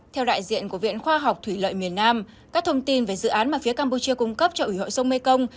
theo đại diện của viện khoa học thủy lợi miền nam các thông tin về dự án mà phía campuchia cung cấp cho ủy hội sông mekong